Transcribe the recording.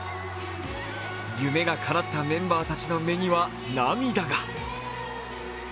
夢がかなったメンバーたちの目には涙が。